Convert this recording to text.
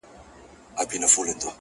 نه هغه غر- نه دامانه سته زه به چیري ځمه-